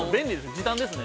時短ですね。